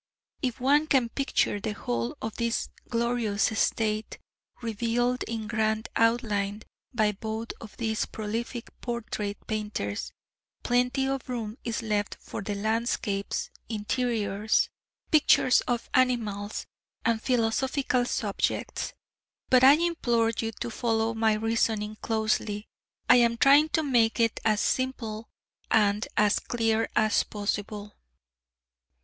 If one can picture the whole of this glorious state, revealed in grand outline by both of these prolific portrait painters, plenty of room is left for the landscapes, interiors, pictures of animals and philosophical subjects. But I implore you to follow my reasoning closely; I am trying to make it as simple and as clear as possible.